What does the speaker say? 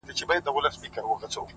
• دادی ټکنده غرمه ورباندي راغله ـ